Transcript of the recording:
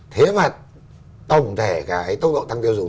thế mà tổng thể cái tốc độ tăng tiêu dùng